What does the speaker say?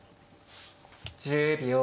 １０秒。